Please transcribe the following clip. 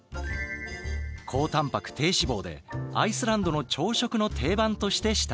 高たんぱく低脂肪でアイスランドの朝食の定番として親しまれている。